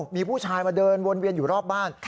มีผู้ชายมาเดินวนเวียนอยู่รอบบ้าน